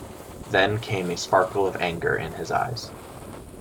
Then came a sparkle of anger in his eyes.